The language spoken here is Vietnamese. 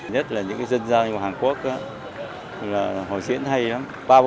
nhất là những dân gian của hàn quốc hồi xuyên hay lắm